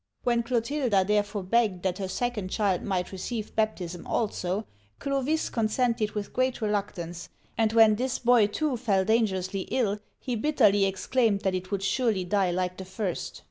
When Clotilda therefore begged that her second child might receive baptism also, Clovis con sented with great reluctance, and when this boy too fell dangerously ill, he bitterly exclaimed that it would surely die like the ^rst